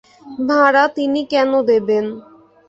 ভাড়া তিনি কেন দেবেন?